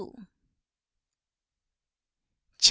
CHAP.